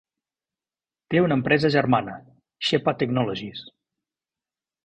Té una empresa germana, Xepa Technologies.